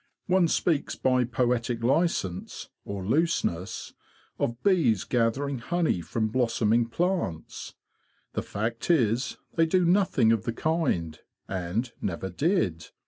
One speaks by poetic licence, or looseness, of bees gathering honey from blos soming plants. The fact is they do nothing of the kind, and never did.